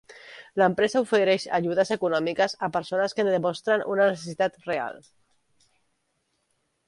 L'empresa ofereix ajudes econòmiques a persones que demostren una necessitat real.